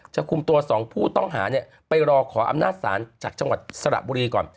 คุมตัว๒ผู้ต้องหาเนี่ยไปรอขออำนาจศาลจากจังหวัดสระบุรีก่อน